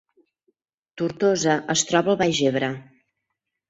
Tortosa es troba al Baix Ebre